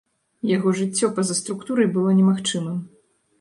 Яго жыццё па-за структурай было немагчымым.